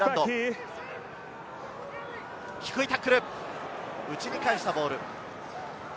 低いタックル、内に返したボール。